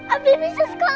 abi bisa sekolah